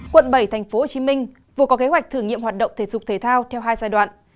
quận bảy tp hcm vừa có kế hoạch thử nghiệm hoạt động thể dục thể thao theo hai giai đoạn